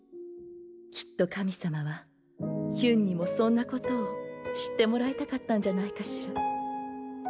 きっと神様はヒュンにもそんなことを知ってもらいたかったんじゃないかしら。